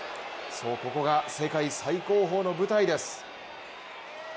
そう、ここが世界最高峰の舞台です。